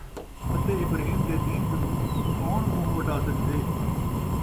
اَتے ابراہیم دے دین کنُوں کوݨ مُنہ وَٹا سڳدے،